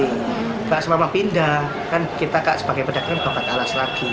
bukan selama pindah kan kita sebagai pedagang kan bakal kalas lagi